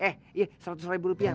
eh iya seratus ribu rupiah